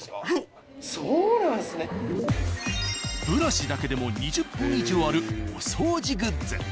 ブラシだけでも２０本以上あるお掃除グッズ。